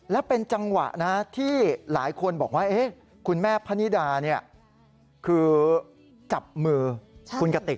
และเป็นจังหวะนะที่หลายคนบอกว่าคุณแม่พนิดาคือจับมือคุณกติก